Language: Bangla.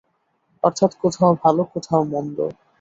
অর্থাৎ কোথাও ভালো, কোথাও মন্দ।